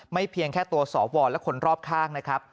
เพียงแค่ตัวสวและคนรอบข้างนะครับ